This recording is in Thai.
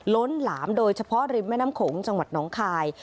ล้นหลามโดยเฉพาะริมแม่น้ำโขงจังหวัดน้องคาย